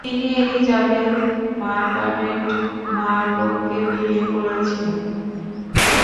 তিনি Elizabeth Margaret মার্লোকে বিয়ে করেছিলেন।